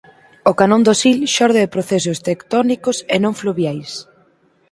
O canón do Sil xorde de procesos tectónicos e non fluviais.